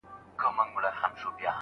اوس به له چا سره کیسه د شوګیریو کوم